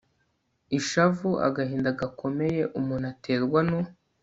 ishavu agahinda gakomeye umuntu aterwa no